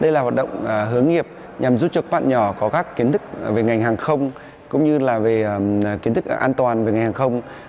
đây là hoạt động hướng nghiệp nhằm giúp cho các bạn nhỏ có các kiến thức về ngành hàng không cũng như là về kiến thức an toàn về ngành hàng không